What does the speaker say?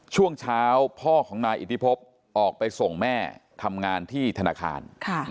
ช่วงเช้าพ่อของนายอิทธิพบออกไปส่งแม่ทำงานที่ธนาคาร